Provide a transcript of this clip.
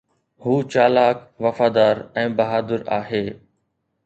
هو چالاڪ، وفادار ۽ بهادر آهي